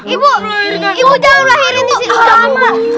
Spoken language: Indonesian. ibu ibu jangan melahirkan di sini